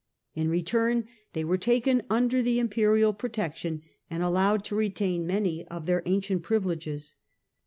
In return they were taken under the Imperial protection and allowed to retain many of their ancient privileges.